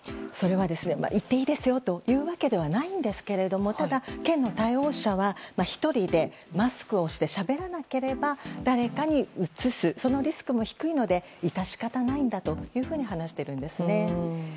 それは、行っていいですよというわけではないんですがただ、県の対応者は１人でマスクをしてしゃべらなければ誰かにうつすというそのリスクも低いので致し方ないんだというふうに話しているんです。